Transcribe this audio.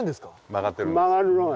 曲がってるんです。